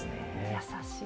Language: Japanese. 優しい。